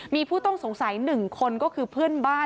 มีผู้ต้องสงสัย๑คนก็คือเพื่อนบ้าน